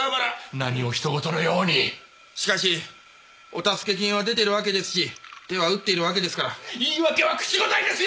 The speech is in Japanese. なにをひと事のようにしかしお助け金は出てるわけですし手は打っているわけですから言い訳は口答えですよ！